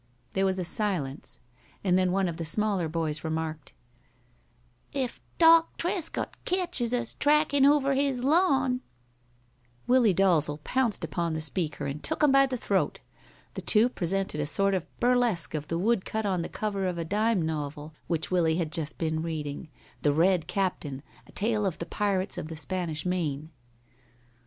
There was a silence, and then one of the smaller boys remarked, "If Doc Trescott ketches us trackin' over his lawn " Willie Dalzel pounced upon the speaker and took him by the throat. The two presented a sort of a burlesque of the wood cut on the cover of a dime novel which Willie had just been reading The Red Captain: A Tale of the Pirates of the Spanish Main.